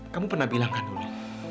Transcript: kamu pernah bilang kan dulu